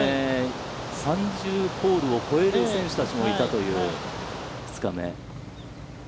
３０ホールを超える選手たちもいたという２日目。